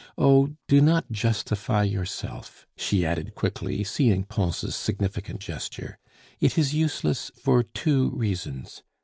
Oh! do not justify yourself," she added quickly, seeing Pons' significant gesture, "it is useless, for two reasons.